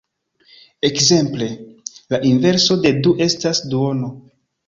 Ekzemple: La inverso de du estas duono.